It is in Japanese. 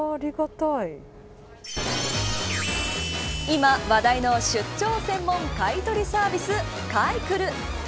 今話題の出張専門買い取りサービス、買いクル。